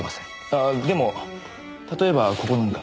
ああでも例えばここなんか。